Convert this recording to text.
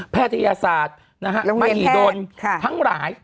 แพทยาศาสตร์นะฮะมหิดลทั้งหลาย